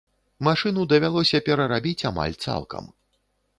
Машыну давялося перарабіць амаль цалкам.